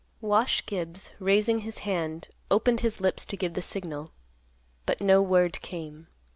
Wash Gibbs, raising his hand, opened his lips to give the signal. But no word came.